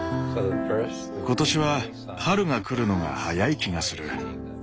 今年は春が来るのが早い気がする。